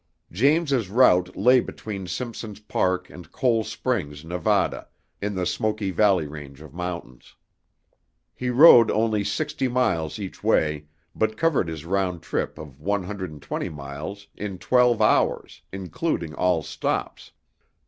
James's route lay between Simpson's Park and Cole Springs, Nevada, in the Smoky Valley range of mountains. He rode only sixty miles each way but covered his round trip of one hundred and twenty miles in twelve hours, including all stops.